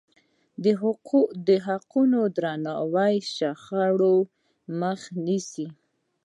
د حقونو درناوی د شخړو مخه نیسي.